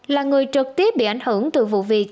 là người trực tiếp bị ảnh hưởng từ vụ việc